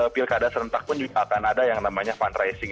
pilkada serentak pun juga akan ada yang namanya fundraising